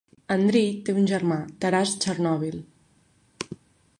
Andriy té un germà, Taras Chornovil.